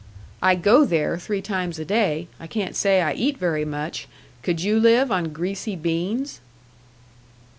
"I go there three times a day. I can't say I eat very much. Could you live on greasy beans?"